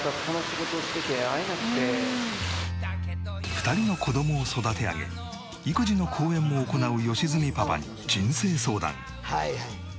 ２人の子どもを育て上げ育児の講演も行う良純パパに人生相談。